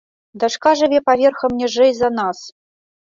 Дачка жыве паверхам ніжэй за нас.